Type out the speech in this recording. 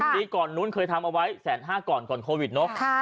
ปีก่อนนู้นเคยทำเอาไว้๑๕๐๐ก่อนก่อนโควิดเนอะ